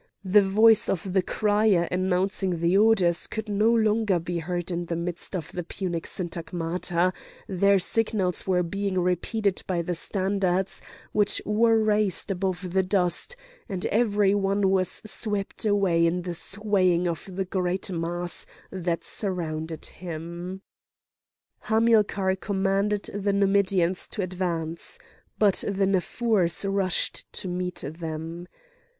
The voice of the crier announcing the orders could no longer be heard in the midst of the Punic syntagmata; their signals were being repeated by the standards, which were raised above the dust, and every one was swept away in the swaying of the great mass that surrounded him. Hamilcar commanded the Numidians to advance. But the Naffurs rushed to meet them.